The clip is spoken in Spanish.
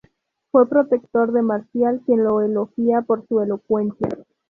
Fue protector de Marcial quien lo elogia por su elocuencia.